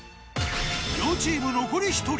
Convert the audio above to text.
両チーム残り１人。